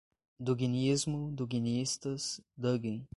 Duginismo, duginistas, Dugin